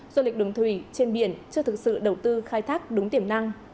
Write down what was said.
du lịch đường thủy trên biển chưa thực sự đầu tư khai thác đúng tiềm năng